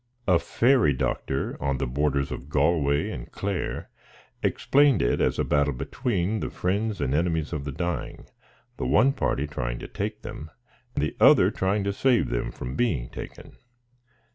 A faery doctor, on the borders of Galway and Clare, explained it as a battle between the friends and enemies of the dying, the one party trying to take them, the other trying to save them from being taken.